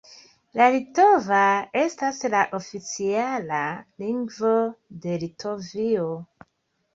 La litova estas la oficiala lingvo de Litovio.